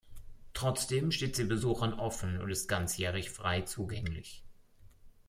Trotzdem steht sie Besuchern offen und ist ganzjährig frei zugänglich.